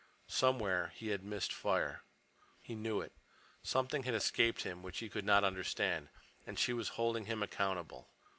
Somewhere he had missed fire. He knew it. Something had escaped him which he could not understand. And she was holding him accountable.